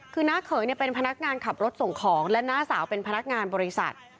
คือน้าเขยเป็นพนักงานขับรถส่งของและน้าสาวเป็นพนักงานบริษัท